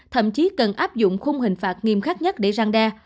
thậm chí cần áp dụng khung hình phạt nghiêm khắc nhất để răng đe